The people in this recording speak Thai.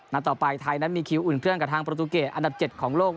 และต่อไปไทยมีคืออุ่นเครื่องกับทางประทูเกษอันดับ๗ของโลก